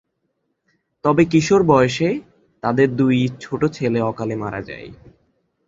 তবে কিশোর বয়সে তাদের দুই ছোট ছেলে অকালে মারা যান।